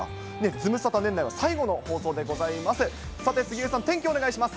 ズムサタ、年内は最後の放送でございます。